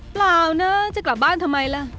เปล่านะจะกลับบ้านทำไมล่ะ